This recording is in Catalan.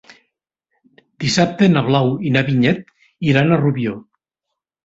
Dissabte na Blau i na Vinyet iran a Rubió.